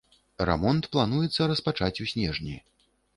Рамонт плануецца распачаць у снежні.